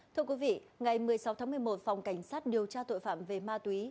thưa quý vị ngày một mươi sáu tháng một mươi một phòng cảnh sát điều tra tội phạm về ma túy